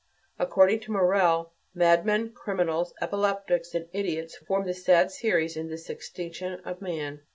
According to Morel, madmen, criminals, epileptics and idiots form the sad series in this extinction of man.